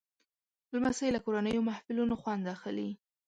لمسی له کورنیو محفلونو خوند اخلي.